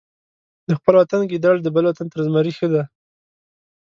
د خپل وطن ګیدړ د بل وطن تر زمري ښه دی.